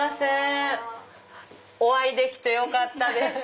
お会いできてよかったです。